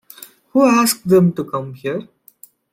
Who asked them to come here?